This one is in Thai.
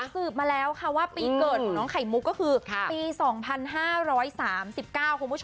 สืบมาแล้วค่ะว่าปีเกิดของน้องไข่มุกก็คือปี๒๕๓๙คุณผู้ชม